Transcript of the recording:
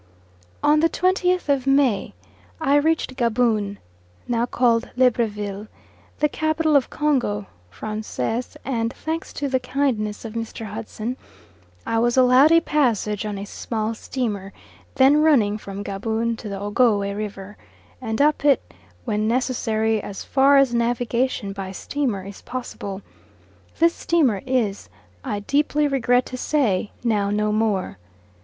On the 20th of May I reached Gaboon, now called Libreville the capital of Congo Francais, and, thanks to the kindness of Mr. Hudson, I was allowed a passage on a small steamer then running from Gaboon to the Ogowe River, and up it when necessary as far as navigation by steamer is possible this steamer is, I deeply regret to say, now no more.